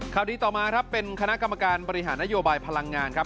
ดีต่อมาครับเป็นคณะกรรมการบริหารนโยบายพลังงานครับ